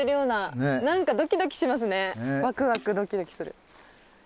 ワクワクドキドキする。